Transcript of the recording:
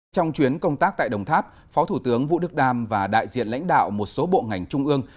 trong chuyến công tác tại đồng tháp phó thủ tướng vũ đức đam và đại diện lãnh đạo một số bộ ngành trung ương